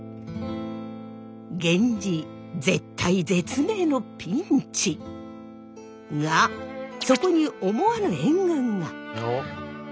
源氏絶体絶命のピンチ！がそこに思わぬ援軍が。